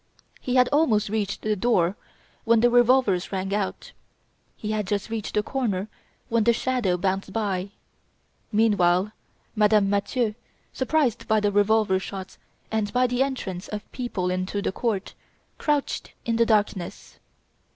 "He had almost reached the door when the revolvers rang out. He had just reached the corner when a shadow bounded by. Meanwhile, Madame Mathieu, surprised by the revolver shots and by the entrance of people into the court, crouched in the darkness.